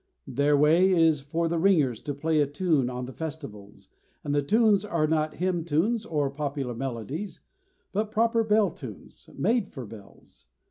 Their way is for the ringers to play a tune on the festivals, and the tunes are not hymn tunes or popular melodies, but proper bell tunes, made for bells.